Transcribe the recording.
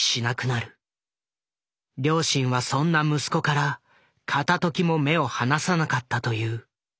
両親はそんな息子から片ときも目を離さなかったという。